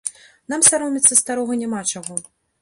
Нам саромецца старога няма чаго.